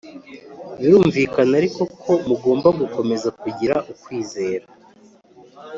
Birumvikana ariko ko mugomba gukomeza kugira ukwizera